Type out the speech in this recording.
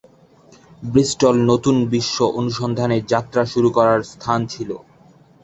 Bristol নতুন বিশ্ব অনুসন্ধানের যাত্রা শুরু করার স্থান ছিল।